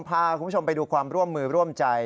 พาคุณผู้ชมไปดูความร่วมมือร่วมใจ